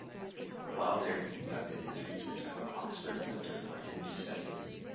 While there, he conducted his research at the Oxford Centre for Hindu Studies.